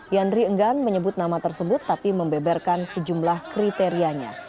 yandri enggan menyebut nama tersebut tapi membeberkan sejumlah kriterianya